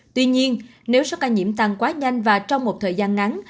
tuy nhiên nếu số ca nhiễm tăng quá nhanh và trong một thời gian ngắn